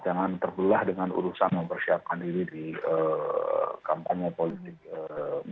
jangan terbelah dengan urusan mempersiapkan diri di kampanye politik menjelang dua ribu dua puluh empat